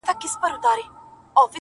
o ځمه ويدېږم ستا له ياده سره شپې نه كوم،